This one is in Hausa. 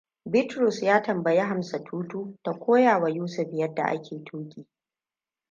Bitrus ya tambayi Hamsatututu ta koyawa Yusuf yadda ake tuki.